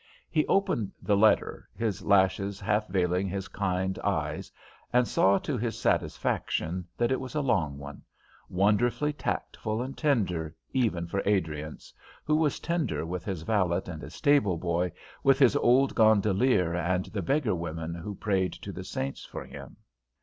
He opened the letter, his lashes half veiling his kind eyes, and saw to his satisfaction that it was a long one; wonderfully tactful and tender, even for Adriance, who was tender with his valet and his stable boy, with his old gondolier and the beggar women who prayed to the saints for him.